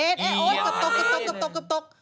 โอ๊ยตก